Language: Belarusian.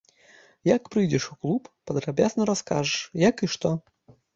Як прыйдзеш у клуб, падрабязна раскажаш, як і што.